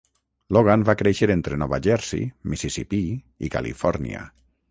Logan va créixer entre Nova Jersey, Mississipí i Califòrnia.